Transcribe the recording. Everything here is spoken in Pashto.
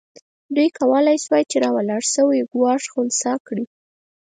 دوی کولای شوای چې راولاړ شوی ګواښ خنثی کړي.